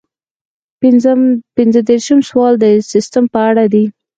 پنځه دېرشم سوال د سیسټم په اړه دی.